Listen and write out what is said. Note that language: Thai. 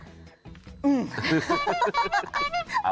อื้ม